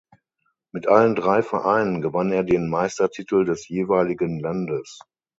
Mit allen drei Vereinen gewann er den Meistertitel des jeweiligen Landes.